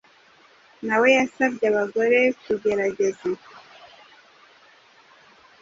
na we yasabye abagore kugerageza